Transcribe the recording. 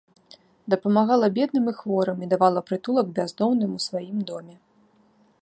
Дапамагала бедным і хворым і давала прытулак бяздомным у сваім доме.